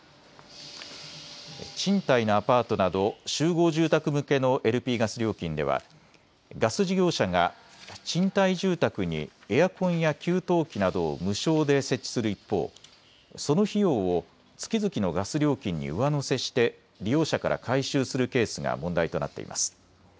賃貸のアパートなど集合住宅向けのＬＰガス料金ではガス事業者が賃貸住宅にエアコンや給湯器などを無償で設置する一方、その費用を月々のガス料金に上乗せして利用者から回収するケースが問題となっています。